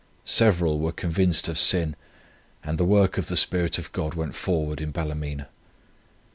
Several were convinced of sin and the work of the Spirit of God went forward in Ballymena.